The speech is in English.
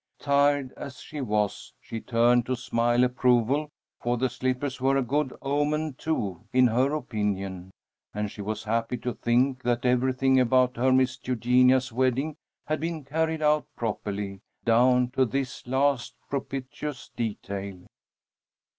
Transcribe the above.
Tired as she was, she turned to smile approval, for the slippers were a good omen, too, in her opinion, and she was happy to think that everything about her Miss Eugenia's wedding had been carried out properly, down to this last propitious detail.